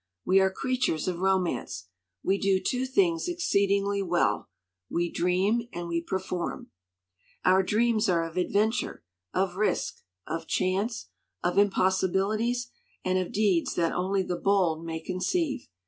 We are creatures of romance. We 165 LITERATURE IN THE MAKING do two things exceedingly well we dream and we perform. "Our dreams are of adventure, of risk, of chance, of impossibilities, and of deeds that only the bold may conceive.